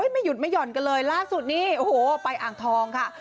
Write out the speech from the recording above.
ไม่หยุดไม่ห่อนกันเลยล่าสุดนี้โอ้โหไปอ่างทองค่ะ